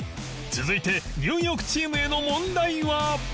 続いてニューヨークチームへの問題は